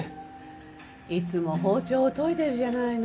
いつも包丁を研いでるじゃないの。